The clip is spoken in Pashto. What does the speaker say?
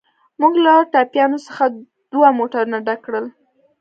موږ له ټپیانو څخه دوه موټرونه ډک کړل.